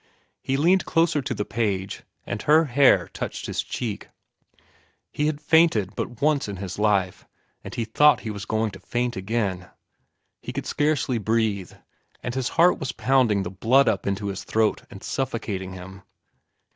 He leaned closer to the page, and her hair touched his cheek. He had fainted but once in his life, and he thought he was going to faint again. He could scarcely breathe, and his heart was pounding the blood up into his throat and suffocating him.